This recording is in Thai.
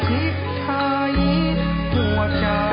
ทรงเป็นน้ำของเรา